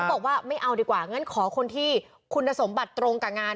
บอกว่าไม่เอาดีกว่างั้นขอคนที่คุณสมบัติตรงกับงาน